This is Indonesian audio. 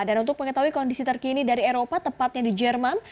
dan untuk mengetahui kondisi terkini dari eropa tepatnya di jerman